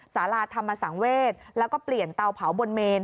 สาราธรรมสังเวศแล้วก็เปลี่ยนเตาเผาบนเมน